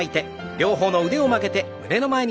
両方の腕を曲げて胸の前に。